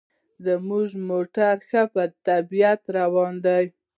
زموږ موټر ښه په طبیعت روان دی.